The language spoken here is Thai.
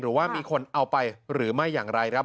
หรือว่ามีคนเอาไปหรือไม่อย่างไรครับ